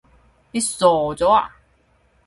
你傻咗呀？